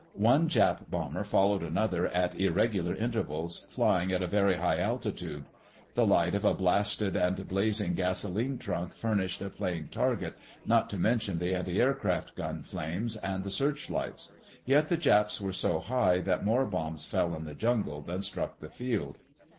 One Jap bomber followed another at irregular intervals, flying at a very high altitude. The light of a blasted and blazing gasoline truck furnished a plain target, not to mention the antiaircraft gun flames and the searchlights. Yet the Japs were so high that more bombs fell in the jungle than struck the field.